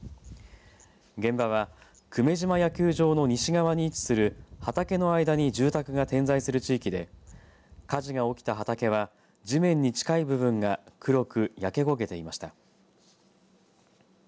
現場は久米島野球場の西側に位置する畑の間に住宅が点在する地域で火事が起きた畑は地面に近い部分が黒く焼け焦げていました。